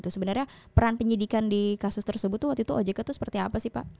sebenarnya peran penyidikan di kasus tersebut waktu itu ojk itu seperti apa sih pak